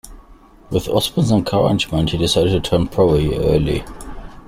With Osborne's encouragement, he decided to turn pro a year early.